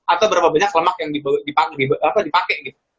atau berapa banyak lemak yang dipakai gitu